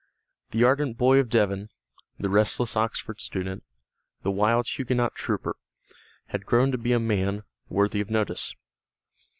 The ardent boy of Devon, the restless Oxford student, the wild Huguenot trooper, had grown to be a man worthy of notice.